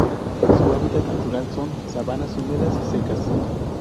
Su hábitat natural son: sabanas húmedas y secas.